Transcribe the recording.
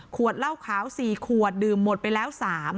เหล้าขาว๔ขวดดื่มหมดไปแล้ว๓